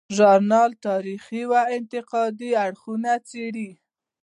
دا ژورنال تاریخي او انتقادي اړخونه څیړي.